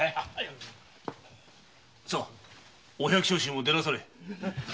さお百姓衆も出なされ。